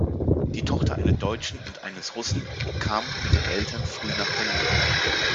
Die Tochter einer Deutschen und eines Russen kam mit den Eltern früh nach Berlin.